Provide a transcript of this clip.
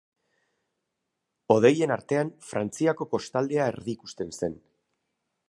Hodeien artean Frantziako kostaldea erdikusten zen.